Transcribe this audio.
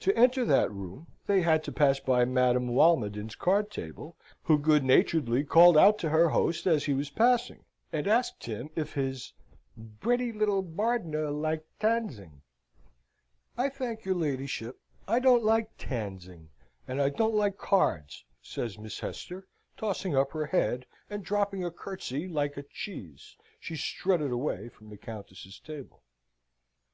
To enter that room they had to pass by Madame Walmoden's card table, who good naturedly called out to her host as he was passing, and asked him if his "breddy liddle bardner liked tanzing?" "I thank your ladyship, I don't like tanzing, and I don't like cards," says Miss Hester, tossing up her head; and, dropping a curtsey like a "cheese," she strutted away from the Countess's table. Mr.